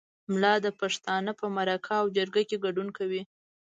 ملا د پښتانه په مرکه او جرګه کې ګډون کوي.